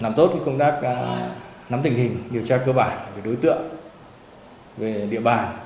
làm tốt công tác nắm tình hình điều tra cơ bản về đối tượng về địa bàn